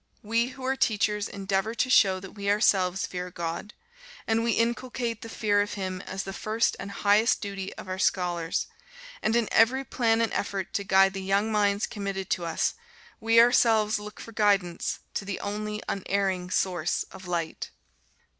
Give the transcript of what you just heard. We who are teachers endeavor to show that we ourselves fear God, and we inculcate the fear of Him as the first and highest duty of our scholars; and in every plan and effort to guide the young minds committed to us, we ourselves look for guidance to the only unerring source of light.